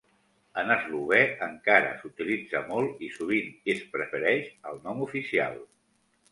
En eslovè encara s'utilitza molt i sovint es prefereix al nom oficial.